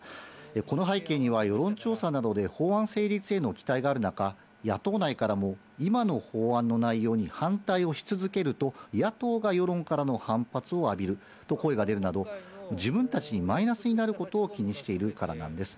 この背景には、世論調査などで法案成立への期待がある中、野党内からも、今の法案の内容に反対をし続けると、野党が世論からの反発を浴びると声が出るなど、自分たちにマイナスになることを気にしているからなんです。